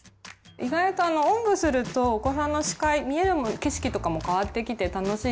意外とおんぶするとお子さんの視界見えるもの景色とかも変わってきて楽しいですよ。